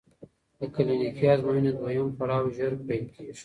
د کلینیکي ازموینو دویم پړاو ژر پیل کېږي.